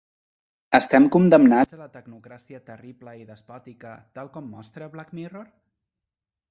Estem condemnats a la tecnocràcia terrible i despòtica, tal com mostra 'Black Mirror'?